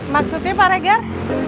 maksudnya pak reger